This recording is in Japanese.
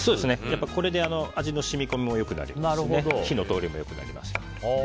これで味の染み込みも良くなりますし火の通りもよくなります。